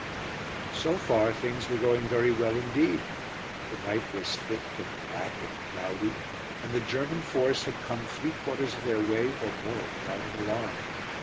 So far things were going very well indeed. The night was thick and black and cloudy, and the German force had come three quarters of their way or more without an alarm.